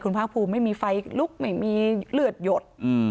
ภาคภูมิไม่มีไฟลุกไม่มีเลือดหยด